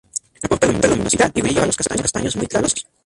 Aporta luminosidad y brillo a los cabellos castaños muy claros y rubios.